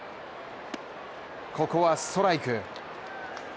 ここはストライク。